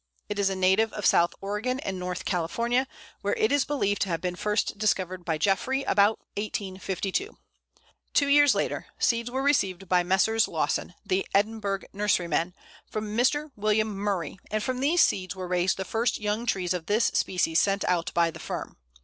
It is a native of South Oregon and North California, where it is believed to have been first discovered by Jeffrey, about 1852. Two years later seeds were received by Messrs. Lawson, the Edinburgh nurserymen, from Mr. William Murray, and from these seeds were raised the first young trees of this species sent out by the firm.